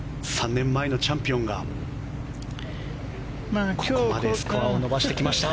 ３年前のチャンピオンがここまでスコアを伸ばしてきました。